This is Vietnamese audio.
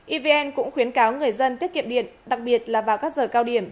evn cũng khuyến cáo người dân tiết kiệm điện đặc biệt là vào các giờ cao điểm